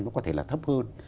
nó có thể là thấp hơn